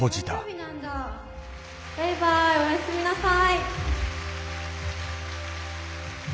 バイバイおやすみなさい。